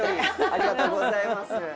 ありがとうございます。